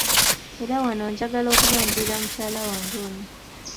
Era wano njagala okubanjulira mukyala wange ono.